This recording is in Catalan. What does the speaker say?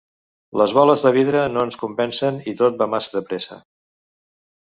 Les boles de vidre no ens convencen i tot va massa de pressa.